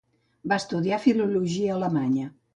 Va estudiar filologia alemanya.